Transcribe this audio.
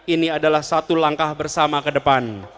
ini adalah satu langkah bersama kedepan